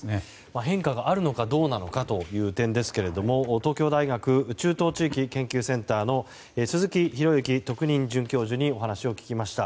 変化があるのかどうなのかという点ですが東京大学中東地域研究センターの鈴木啓之特任准教授にお話を聞きました。